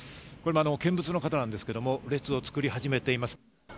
見物の方なんですけれども、列を作り始めています。